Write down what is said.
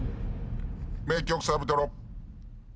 名曲サビトロ。